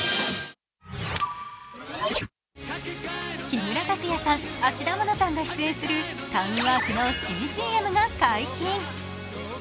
木村拓哉さん、芦田愛菜さんが出演するタウンワークの新ＣＭが解禁。